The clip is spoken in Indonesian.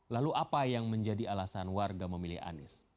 lalu apa yang menjadi alasan warga memilih anies